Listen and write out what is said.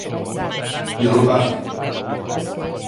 Dio-lo-pague!